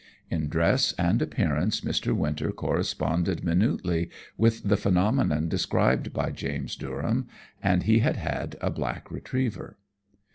In dress and appearance Mr. Winter corresponded minutely with the phenomenon described by James Durham, and he had had a black retriever.